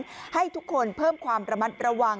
ให้ทุกคนเพิ่มความระมัดระวัง